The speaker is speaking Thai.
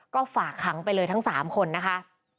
ก็ฝากขังไปเลยทั้ง๓คนนะคะ